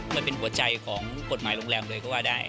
มันเป็นหัวใจของกฎหมายโรงแรมเลยก็ว่าได้